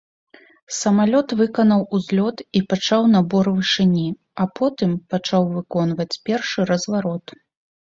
Самалёт выканаў узлёт і пачаў набор вышыні, а потым пачаў выконваць першы разварот.